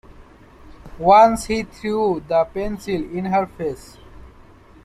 Once he threw the pencil in her face.